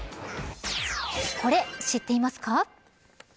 これ、知っていますか。